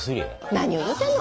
何を言うてんの！